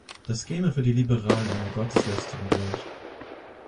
Das käme für die Liberalen einer Gotteslästerung gleich.